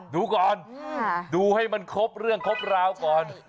ดูก่อนดูให้มันครบเรื่องครบราวก่อน